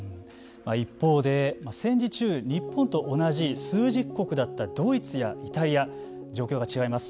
一方で、戦時中日本と同じ枢軸国だったドイツやイタリア。状況が違います。